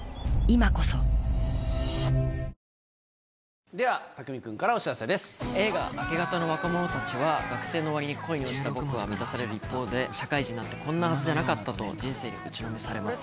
もう、では、匠海君からお知らせで映画、明け方の若者たちは、学生の終わりに恋をした僕は満たされる一方で、社会人になってこんなはずじゃなかったと、人生に打ちのめされます。